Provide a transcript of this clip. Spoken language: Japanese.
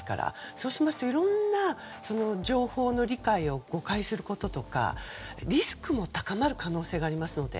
そうしますと、いろんな情報の理解を誤解することとかリスクも高まる可能性があるので